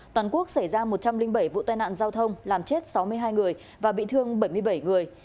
toàn quốc xảy ra một trăm linh bảy vụ tai nạn giao thông làm chết sáu mươi hai người và bị thương bảy mươi bảy người